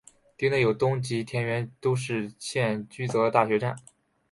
町内有东急田园都市线驹泽大学站。